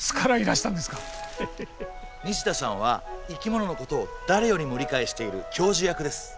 西田さんは生き物のことを誰よりも理解している教授役です